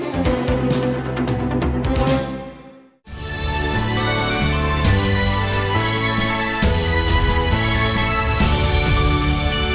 hẹn gặp lại